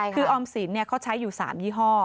คือออมสินเขาใช้อยู่๓ยี่ห้อ